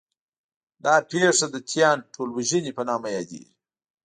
دا پېښه د 'تیان ټولوژنې' په نامه یادوي.